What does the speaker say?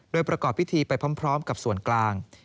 โดยประกอบพิธีไปพร้อมกับส่วนกลาง